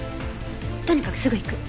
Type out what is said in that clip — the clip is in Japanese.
とにかくすぐ行く。